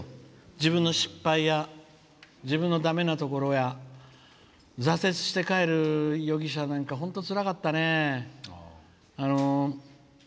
自分の失敗や自分のだめなところや挫折して帰る、夜汽車なんか本当につらかったね。